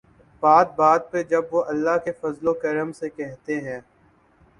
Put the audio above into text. بات بات پر جب وہ'اللہ کے فضل و کرم سے‘ کہتے ہیں۔